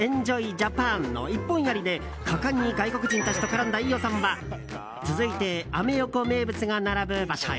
ジャパンの一本やりで果敢に外国人たちと絡んだ飯尾さんは続いて、アメ横名物が並ぶ場所へ。